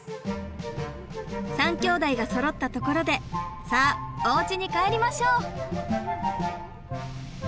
３きょうだいがそろったところでさあおうちに帰りましょう！